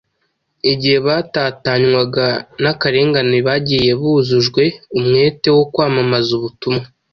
Igihe batatanywaga n’akarengane bagiye buzujwe umwete wo kwamamaza ubutumwa.